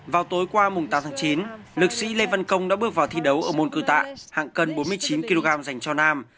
vào tối qua mùng tám tháng chín liệt sĩ lê văn công đã bước vào thi đấu ở môn cư tạ hạng cân bốn mươi chín kg dành cho nam